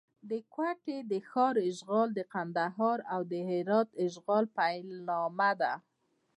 د کوټې د ښار اشغال د کندهار او هرات د اشغال پیلامه ده.